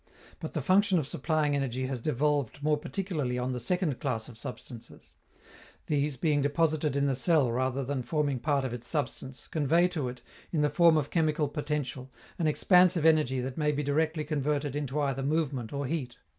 But the function of supplying energy has devolved more particularly on the second class of substances: these, being deposited in the cell rather than forming part of its substance, convey to it, in the form of chemical potential, an expansive energy that may be directly converted into either movement or heat.